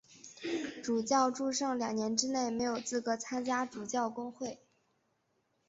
主教祝圣两年之内没有资格参加主教公会。